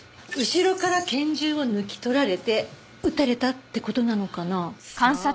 後ろから拳銃を抜き取られて撃たれたって事なのかな？